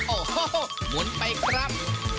โอ้โหหมุนไปครับ